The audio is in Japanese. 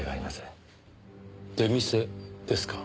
出店ですか。